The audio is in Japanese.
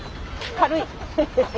軽い。